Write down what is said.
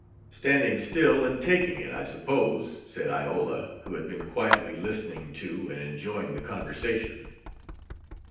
"Standing still and taking it, I suppose," said Iola, who had been quietly listening to and enjoying the conversation.